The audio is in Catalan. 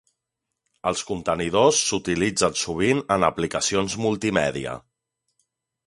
Els contenidors s'utilitzen sovint en aplicacions multimèdia.